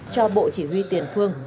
cho bộ chỉ huy tiền phương